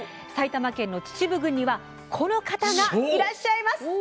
埼玉県秩父郡にはこの方がいらっしゃいます！